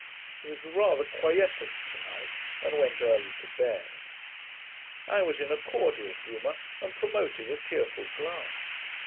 He was rather quiescent tonight, and went early to bed. I was in a cordial humour, and promoted a cheerful glass.